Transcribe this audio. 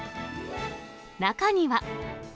中には。